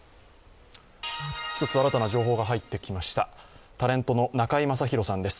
１つ新たな情報が入ってきましたタレントの中居正広さんです。